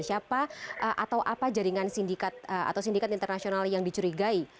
siapa atau apa jaringan sindikat atau sindikat internasional yang dicurigai